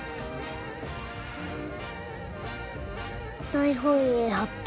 大本営発表。